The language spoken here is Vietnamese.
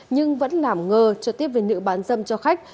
nhưng vẫn làm ngơ cho tiếp viên nữ bán dâm cho khách